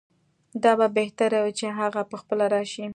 دا به بهتره وي چې هغه پخپله راشي.